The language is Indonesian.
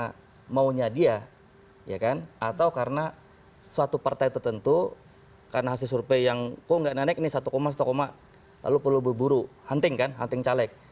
karena maunya dia ya kan atau karena suatu partai tertentu karena hasil survei yang kok nggak naik nih satu satu lalu perlu berburu hunting kan hunting caleg